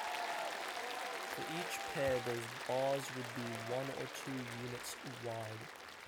For each pair those bars would be one or two units wide.